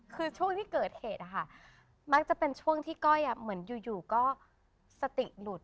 คือช่วงที่เกิดเหตุมักจะเป็นช่วงที่ก้อยเหมือนอยู่ก็สติหลุด